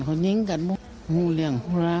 ยายถามนิ่งแต่เจ็บลึกถึงใจนะ